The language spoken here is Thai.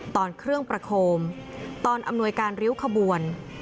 ตอนเครื่องประโคมตอนอำนวยการริ้วขบวน